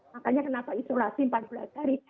makanya kenapa isolasi empat belas hari